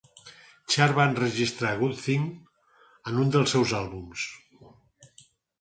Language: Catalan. Cher va enregistrar "Good Thing" en un dels seus àlbums.